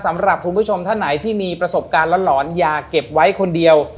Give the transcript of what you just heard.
สำหรับคุณผู้ชมท่านไหนที่มีประสบการณ์หลอนอย่าเก็บไว้คนเดียว